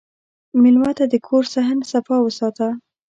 مېلمه ته د کور صحن صفا وساته.